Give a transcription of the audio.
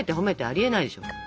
ありえないでしょ。